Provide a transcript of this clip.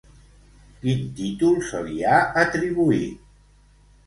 Quin títol se li ha atribuït?